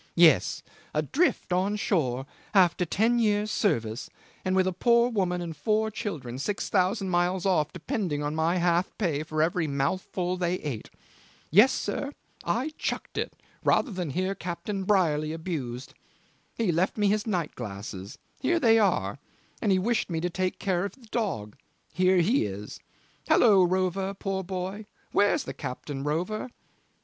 Yes. Adrift on shore after ten years' service and with a poor woman and four children six thousand miles off depending on my half pay for every mouthful they ate. Yes, sir! I chucked it rather than hear Captain Brierly abused. He left me his night glasses here they are; and he wished me to take care of the dog here he is. Hallo, Rover, poor boy. Where's the captain, Rover?"